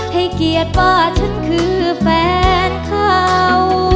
ให้เกียรติว่าฉันคือแฟนเขา